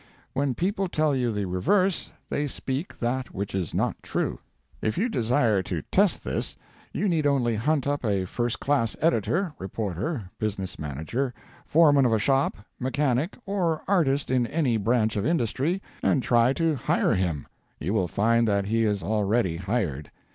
When people tell you the reverse, they speak that which is not true. If you desire to test this, you need only hunt up a first class editor, reporter, business manager, foreman of a shop, mechanic, or artist in any branch of industry, and try to hire him. You will find that he is already hired.